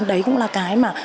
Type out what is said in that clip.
đấy cũng là cái mà